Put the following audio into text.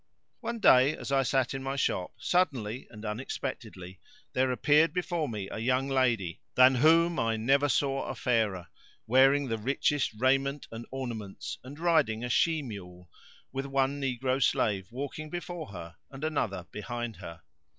One day, as I sat in my shop, suddenly and unexpectedly there appeared before me a young lady, than whom I never saw a fairer, wearing the richest raiment and ornaments and riding a she mule, with one negro slave walking before her and another behind her.